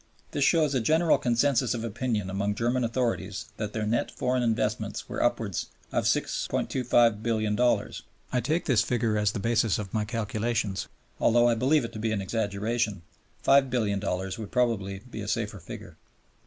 This shows a general consensus of opinion among German authorities that their net foreign investments were upwards of $6,250,000,000. I take this figure as the basis of my calculations, although I believe it to be an exaggeration; $5,000,000,000 would probably be a safer figure.